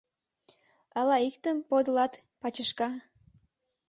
Ала иктым подылат, пачышка?